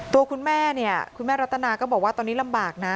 ตัวคุณแม่เนี่ยคุณแม่รัตนาก็บอกว่าตอนนี้ลำบากนะ